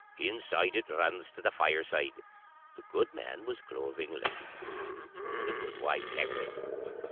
Inside it runs to the fireside. The goodman was cloving lint, and the goodwife heckling.